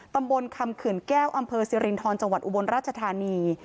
ตำบลคำเขื่อนแก้วอำเภอสิรินทรจังหวัดอุบลราชธานี